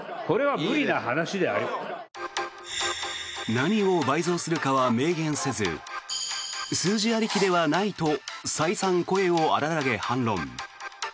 何を倍増するかは明言せず数字ありきではないと再三声を荒らげ反論。